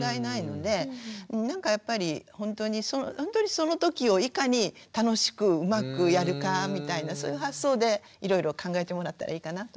なんかやっぱりほんとにその時をいかに楽しくうまくやるかみたいなそういう発想でいろいろ考えてもらったらいいかなと思います。